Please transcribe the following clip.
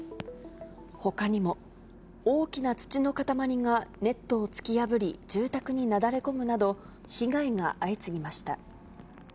ほかにも、大きな土の塊がネットを突き破り住宅になだれ込むなど、被害が相次ぎました。